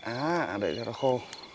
á để cho nó khô